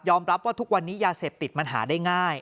รับว่าทุกวันนี้ยาเสพติดมันหาได้ง่าย